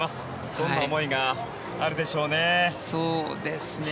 どんな思いがあるでしょうね。